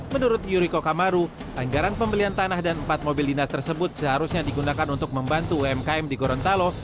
menurut yuriko kamaru anggaran pembelian tanah dan empat mobil dinas tersebut seharusnya digunakan untuk membantu umkm di gorontalo